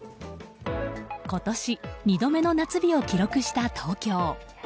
今年２度目の夏日を記録した東京。